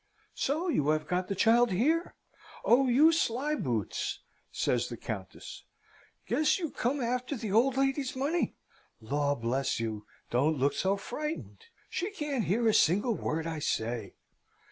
"So you have got the child here? Oh, you slyboots!" says the Countess. "Guess you come after the old lady's money! Law bless you! Don't look so frightened. She can't hear a single word I say.